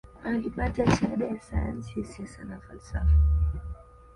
Alipata shahada ya sayansi ya siasa na falsafa